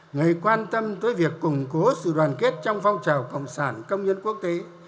người quan tâm tới việc củng cố sự đoàn kết trong phong trào cộng sản công nhân quốc tế